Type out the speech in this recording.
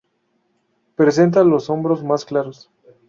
Presenta los hombros más claros.